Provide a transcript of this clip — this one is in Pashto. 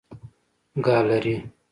ګالري